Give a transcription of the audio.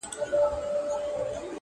د یوې ورځي دي زر ډالره کیږي-